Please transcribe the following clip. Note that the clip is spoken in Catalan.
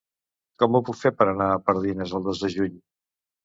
Com ho puc fer per anar a Pardines el dos de juny?